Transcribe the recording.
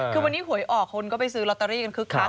คือวันนี้หวยออกคนก็ไปซื้อลอตเตอรี่กันคึกคัก